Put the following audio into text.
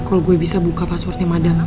kalau gue bisa buka passwordnya madang